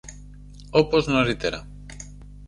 όπως νωρίτερα